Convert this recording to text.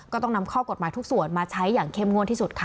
ก็ต้องนำข้อกฎหมายทุกส่วนมาใช้อย่างเข้มงวดที่สุดค่ะ